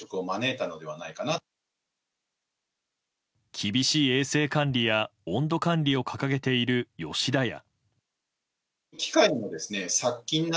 厳しい衛生管理や温度管理を掲げている吉田屋。